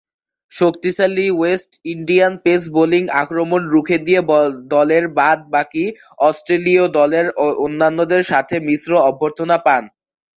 শক্তিশালী West Indian pace bowling আক্রমণ রুখে দিয়ে দলের বাদ-বাকী অস্ট্রেলীয় দলের অন্যান্যদের সাথে মিশ্র অভ্যর্থনা পান।